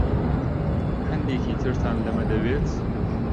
هەندێکی ترتان لەمە دەوێت؟